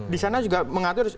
disana juga mengatur